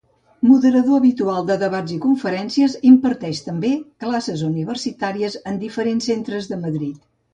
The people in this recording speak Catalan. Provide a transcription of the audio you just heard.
Moderador habitual de debats i conferències, imparteix també classes universitàries en diferents centres de Madrid.